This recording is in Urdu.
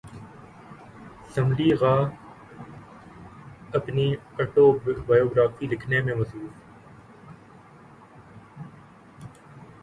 سلمی غا اپنی اٹوبایوگرافی لکھنے میں مصروف